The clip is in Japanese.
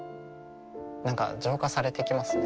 何か浄化されてきますね。